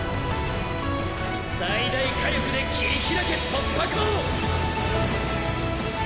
最大火力で切り開け突破口！